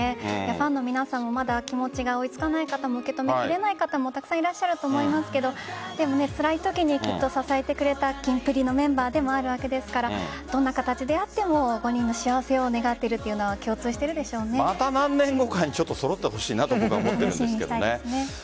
ファンの皆さんもまだ気持ちが追いつかない方も受け止めきれない方もたくさんいらっしゃると思いますがつらいときにきっと支えてくれたキンプリのメンバーでもあるわけですからどんな形であっても５人の幸せを願っているというのはまた何年後かに揃ってほしいと思っているんですけどね。